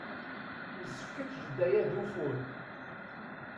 Yessefk ad teǧǧed aya d ufur.